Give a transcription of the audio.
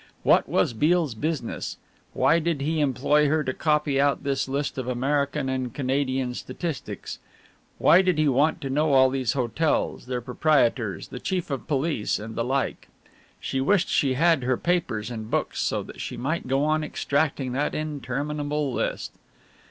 What was Beale's business? Why did he employ her to copy out this list of American and Canadian statistics? Why did he want to know all these hotels, their proprietors, the chief of the police and the like? She wished she had her papers and books so that she might go on extracting that interminable list.